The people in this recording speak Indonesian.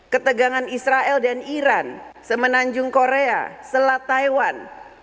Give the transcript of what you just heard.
ketegangan israel dan iran semenanjung korea selat taiwan